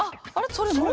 それも？